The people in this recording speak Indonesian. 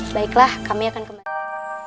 baiklah kami akan kembali